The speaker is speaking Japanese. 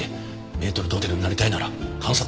メートル・ドテルになりたいなら観察力を磨け！